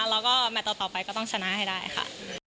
แล้วก็แมทต่อไปก็ต้องชนะให้ได้ค่ะ